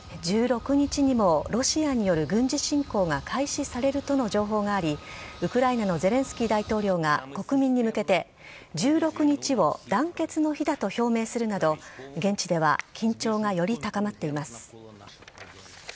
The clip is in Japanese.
１６日にもロシアによる軍事侵攻が開始されるとの情報があり、ウクライナのゼレンスキー大統領が国民に向けて、１６日を団結の日だと表明するなど、現地では緊張がより高まっています。